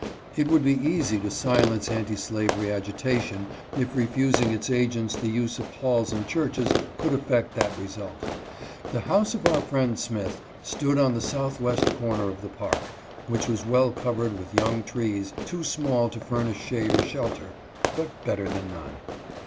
It would be easy to silence anti slavery agitation if refusing its agents the use of halls and churches could affect that result. The house of our friend Smith stood on the southwest corner of the park, which was well covered with young trees too small to furnish shade or shelter, but better than none.